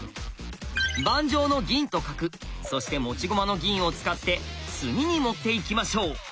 盤上の銀と角そして持ち駒の銀を使って詰みに持っていきましょう。